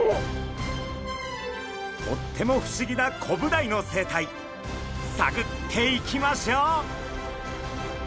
とっても不思議なコブダイの生態さぐっていきましょう！